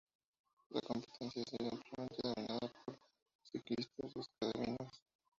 La competencia ha sido ampliamente dominada por ciclistas escandinavos.